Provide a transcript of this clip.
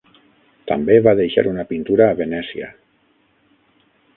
També va deixar una pintura a Venècia.